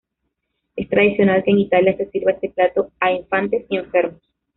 Es tradicional que en Italia se sirva este plato a infantes y enfermos.